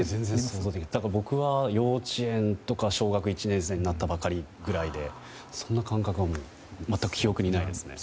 僕は幼稚園とか小学１年生になったばかりくらいでそんな感覚は全く記憶にないですね。